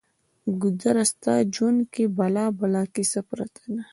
ګودره! ستا ژوند کې بلا بلا کیسه پرته ده